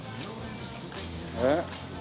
えっ？